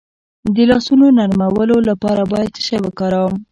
د لاسونو نرمولو لپاره باید څه شی وکاروم؟